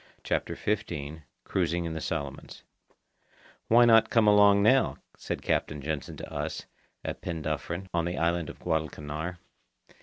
CHAPTER XV CRUISING IN THE SOLOMONS "Why not come along now?" said Captain Jansen to us, at Penduffryn, on the island of Guadalcanar.